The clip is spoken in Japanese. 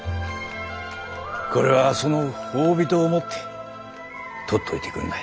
これはその褒美と思ってとっといてくんない。